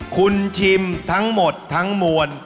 คุณชิมทั้งหมดทั้งมวล